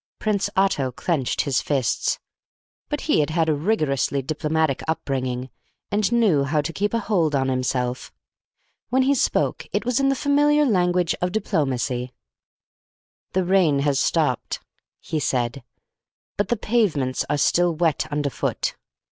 Prince Otto clenched his fists; but he had had a rigorously diplomatic up bringing, and knew how to keep a hold on himself. When he spoke it was in the familiar language of diplomacy. "The rain has stopped," he said, "but the pavements are still wet underfoot.